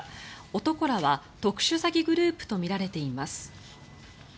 男らは特殊詐欺グループとみられています。